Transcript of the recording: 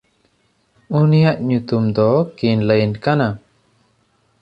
ᱩᱱᱤᱭᱟᱜ ᱧᱩᱛᱩᱢ ᱫᱚ ᱠᱤᱱᱞᱟᱹᱭᱤᱱ ᱠᱟᱱᱟ᱾